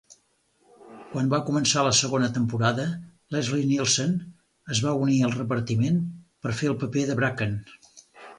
Quan va començar la segona temporada, Leslie Nielsen es va unir al repartiment per fer el paper de Bracken.